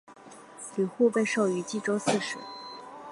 吕护被授予冀州刺史。